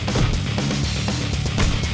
bang harus kuat bang